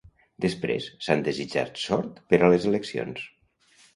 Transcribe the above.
Després, s'han desitjat sort per a les eleccions.